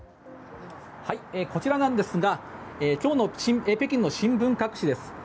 こちらなんですが今日の北京の新聞各紙です。